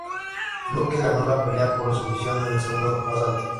Luque ganó la pelea por sumisión en el segundo asalto.